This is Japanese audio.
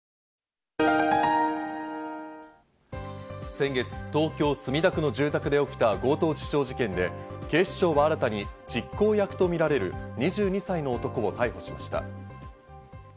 先月、東京・墨田区の住宅で起きた強盗致傷事件で警視庁は新たに実行役とみられる２２歳の男を逮捕しました。